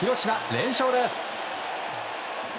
連勝です！